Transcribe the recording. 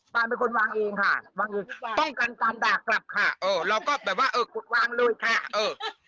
เป็นคนวางเองค่ะวางเองป้องกันการด่ากลับค่ะเออเราก็แบบว่าเออกดวางเลยค่ะเออ